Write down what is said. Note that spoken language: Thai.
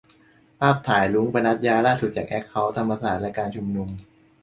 ภาพถ่าย 'รุ้ง-ปนัสยา' ล่าสุดจากแอคเคาท์ธรรมศาสตร์และการชุมนุม